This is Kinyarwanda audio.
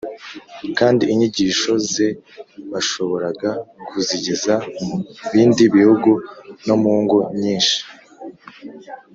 kandi inyigisho ze bashoboraga kuzigeza mu bindi bihugu no mu ngo nyinshi